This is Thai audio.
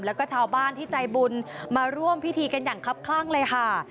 แล้วก็ชาวบ้านที่ใจบุญมาร่วมพิธีกันอย่างครับคลั่งเลยค่ะ